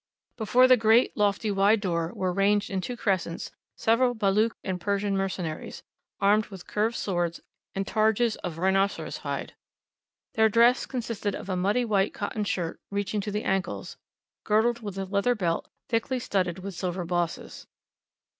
Before the great, lofty, wide door were ranged in two crescents several Baluch and Persian mercenaries, armed with curved swords and targes of rhinoceros hide. Their dress consisted of a muddy white cotton shirt, reaching to the ancles, girdled with a leather belt thickly studded with silver bosses.